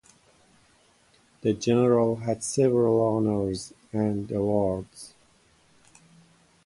The General had several honors and awards.